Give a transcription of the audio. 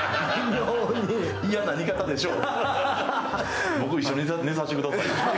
嫌な似方でしょう？